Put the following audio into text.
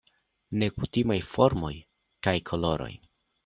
Nekutimaj formoj kaj koloroj.